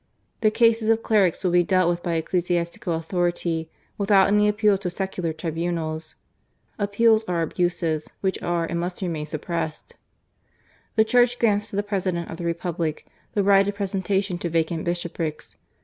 The cases of clerics will be dealt with by ecclesiastical authority, without any appeal to secular tribunals. Appeals are abuses, which are and must remain, suppressed. "The Church grants to the President of the Republic, the right of presentation to vacant bishop rics.